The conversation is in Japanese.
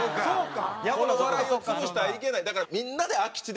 この笑いを潰したらいけない。